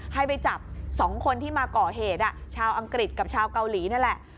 ให้ไปจับ๒คนที่มาก่อเหตุชาวอังกฤษกับชาวเกาหลีนั่นแหละ